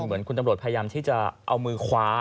เหมือนคุณตำรวจพยายามที่จะเอามือคว้า